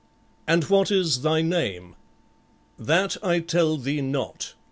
"And what is thy name?" "That I tell thee not.